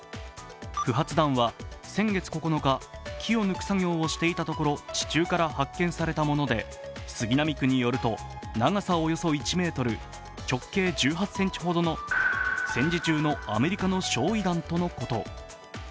不発弾は先月９日、木を抜く作業をしていたところ地中から発見されたもので、杉並区によると長さおよそ１ｍ、直径１８ｃｍほどの戦時中のアメリカの焼い弾とのこと。